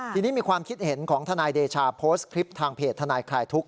ทีนี้มีความคิดเห็นของทนายเดชาโพสต์คลิปทางเพจทนายคลายทุกข